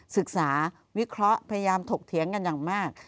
ศึกษาวิเคราะห์พยายามถกเถียงกันอย่างมาก